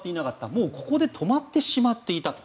もう、ここで止まってしまっていたと。